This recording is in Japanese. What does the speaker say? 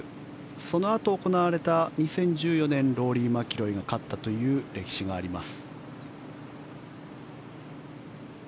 そのあと行われた２０１４年ローリー・マキロイが勝ったという歴史があります。